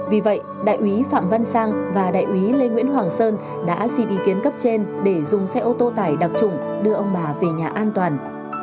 vì vậy đại úy phạm văn sang và đại úy lê nguyễn hoàng sơn đã xin ý kiến cấp trên để dùng xe ô tô tải đặc trụng đưa ông bà về nhà an toàn